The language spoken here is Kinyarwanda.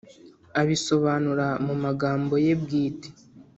abisobanuro mumagambo ye bwite